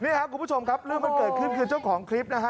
นี่ครับคุณผู้ชมครับเรื่องมันเกิดขึ้นคือเจ้าของคลิปนะฮะ